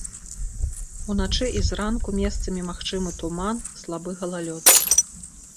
Уначы і зранку месцамі магчымы туман, слабы галалёд.